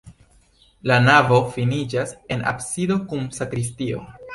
La navo finiĝas en absido kun sakristio.